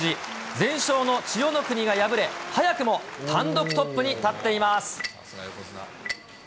全勝の千代の国が敗れ、早くも単独トップに立っています。